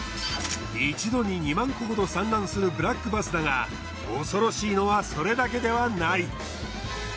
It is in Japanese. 一度に２万個ほど産卵するブラックバスだが恐ろしいのはそれだけではない。